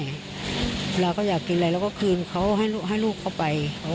เราก็อยากกินอะไรเราก็คืนเขาให้ลูกเขาไป